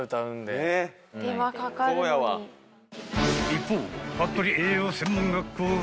［一方］